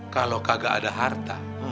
kalau kagak ada harta